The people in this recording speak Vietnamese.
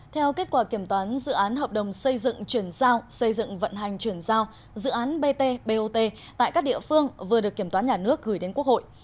theo kết quả kiểm toán dự án hợp đồng xây dựng chuyển giao xây dựng vận hành chuyển giao dự án bt bot tại các địa phương vừa được kiểm toán nhà nước gửi đến quốc hội